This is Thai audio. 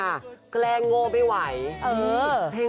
แกลงโง่ไม่ไหว